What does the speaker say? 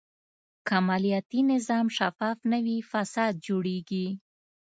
که مالیاتي نظام شفاف نه وي، فساد ډېرېږي.